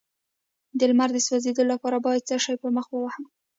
د لمر د سوځیدو لپاره باید څه شی په مخ ووهم؟